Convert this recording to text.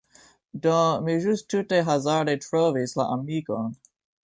Do, mi ĵus tute hazarde trovis la amikon...